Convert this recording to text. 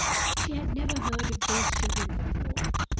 She had never heard of those children before.